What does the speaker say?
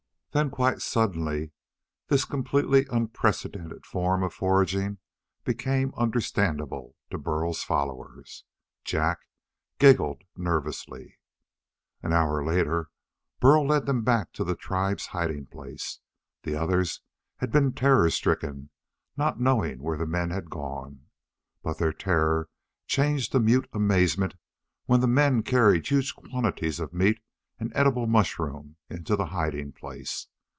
Then, quite suddenly, this completely unprecedented form of foraging became understandable to Burl's followers. Jak giggled nervously. An hour later Burl led them back to the tribe's hiding place. The others had been terror stricken, not knowing where the men had gone. But their terror changed to mute amazement when the men carried huge quantities of meat and edible mushroom into the hiding place.